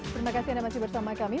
terima kasih anda masih bersama kami